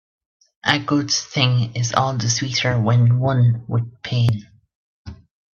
A good thing is all the sweeter when won with pain.